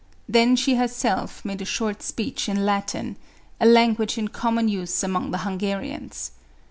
Then she herself made a short speech in Latin, a language in common use among the Hungarians.